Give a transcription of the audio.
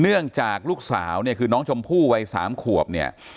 เนื่องจากลูกสาวเนี่ยคือน้องชมพู่วัย๓ขวบเนี่ย